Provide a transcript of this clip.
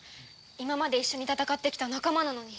今まで一緒に戦ってきた仲間なのに。